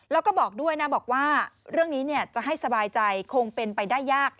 แล้วก็บอกด้วยนะบอกว่าเรื่องนี้จะให้สบายใจคงเป็นไปได้ยาก